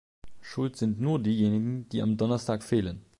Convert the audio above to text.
Schuld sind nur diejenigen, die am Donnerstag fehlen.